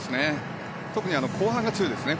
特に後半が強いですね。